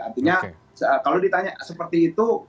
artinya kalau ditanya seperti itu